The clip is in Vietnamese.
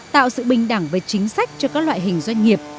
tạo sự bình đẳng về chính sách cho các loại hình doanh nghiệp